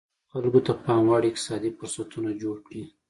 خلکو ته پاموړ اقتصادي فرصتونه جوړ کړي.